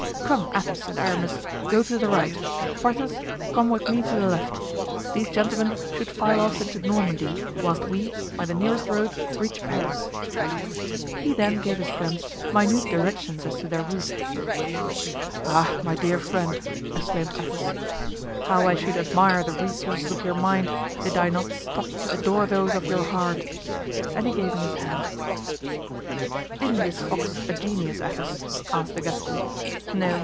Come, Athos and Aramis, go to the right; Porthos, come with me to the left; these gentlemen should file off into Normandy, whilst we, by the nearest road, reach Paris." He then gave his friends minute directions as to their route. "Ah! my dear friend," exclaimed Athos, "how I should admire the resources of your mind did I not stop to adore those of your heart." And he gave him his hand. "Isn't this fox a genius, Athos?" asked the Gascon. "No!